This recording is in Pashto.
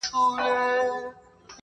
دا کار څو ځله وشو